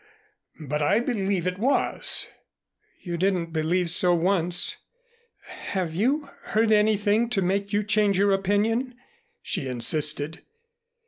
But I believe it was." "You didn't believe so once. Have you heard anything to make you change your opinion?" she insisted.